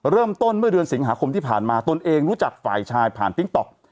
เริ่มต้นเมื่อเดือนสิงหาคมที่ผ่านมาตนเองรู้จักฝ่ายชายผ่านติ๊กต๊อก